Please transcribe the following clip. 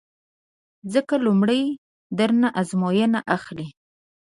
ځکه لومړی در نه ازموینه اخلي